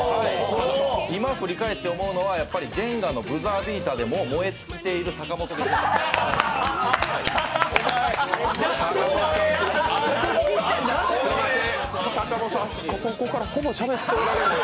今、振り返って思うのはジェンガのブザービーターでもう燃え尽きている阪本ということで。